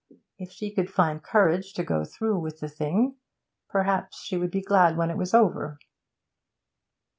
If she could find courage to go through with the thing, perhaps she would be glad when it was over.